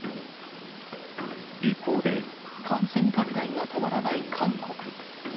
一方で、感染拡大が止まらない韓国。